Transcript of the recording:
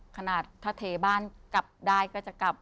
ขนาดถ้าเทบ้านกลับได้ก็จะกลับ